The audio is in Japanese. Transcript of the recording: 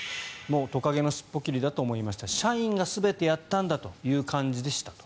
トカゲの尻尾切りだと思いました社員が全てやったんだという感じでしたと。